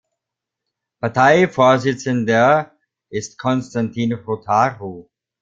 Parteivorsitzender ist Constantin Rotaru.